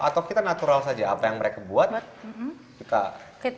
atau kita natural saja apa yang mereka buat